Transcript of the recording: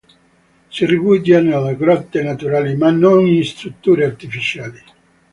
Si rifugia nelle grotte naturali ma non in strutture artificiali.